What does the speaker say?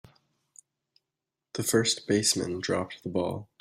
The first baseman dropped the ball.